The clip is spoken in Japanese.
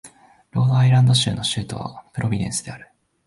ロードアイランド州の州都はプロビデンスである